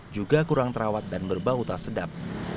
juga kurang terawat dan berbau tak sedap